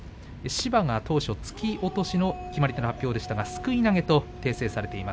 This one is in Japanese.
芝が当初、突き落としの決まり手の発表でしたがすくい投げと訂正されています。